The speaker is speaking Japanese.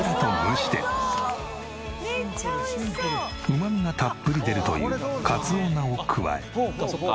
うまみがたっぷり出るというかつお菜を加え。